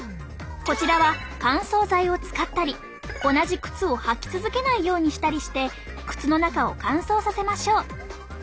こちらは乾燥剤を使ったり同じ靴を履き続けないようにしたりして靴の中を乾燥させましょう。